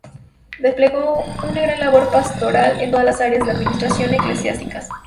Desplegó una gran labor pastoral en todas las áreas de la administración eclesiástica.